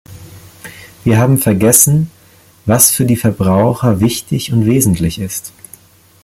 Wir haben vergessen, was für die Verbraucher wichtig und wesentlich ist.